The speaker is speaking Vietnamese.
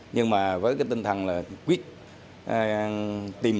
nhưng mà với cái tinh thần là quyết tìm